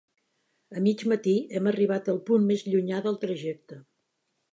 A mig matí hem arribat al punt més llunyà del trajecte.